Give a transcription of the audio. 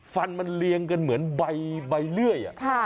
ฟันมันเรียงกันเหมือนใบเลื่อย